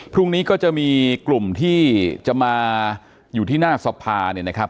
พรุ่งนี้ก็จะมีกลุ่มที่จะมาอยู่ที่หน้าสภา